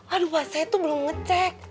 aduh pak saya tuh belum ngecek